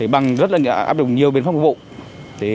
bằng áp dụng rất nhiều biện pháp phục vụ